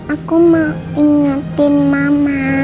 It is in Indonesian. aku mau ingetin mama